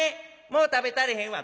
もう食べたれへんわ。